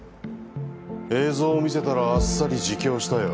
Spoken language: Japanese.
映像を見せたらあっさり自供したよ。